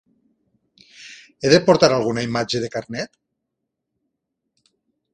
He de portar alguna imatge de carnet?